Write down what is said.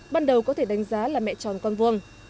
ban đầu có thể đánh giá là mẹ tròn con vuông